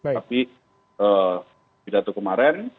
tapi pidato kemarin